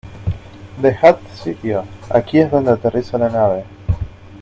¡ Dejad sitio! Aquí es donde aterriza la nave.